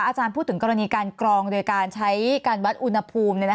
อาจารย์พูดถึงกรณีการกรองโดยการใช้การวัดอุณหภูมิ